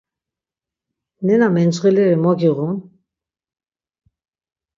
Nena mencğileri mo giğun?